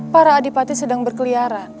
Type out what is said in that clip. para adipati sedang berkeliaran